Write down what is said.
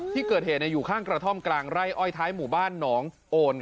ที่เกิดเหตุอยู่ข้างกระท่อมกลางไร่อ้อยท้ายหมู่บ้านหนองโอน